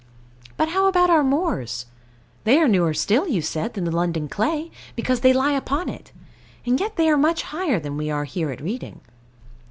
But how about our moors? They are newer still, you said, than the London clay, because they lie upon it: and yet they are much higher than we are here at Reading.